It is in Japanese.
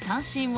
三振！